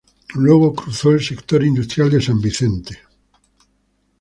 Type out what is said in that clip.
Luego cruza el sector industrial de San Vicente.